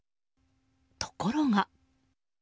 ところが。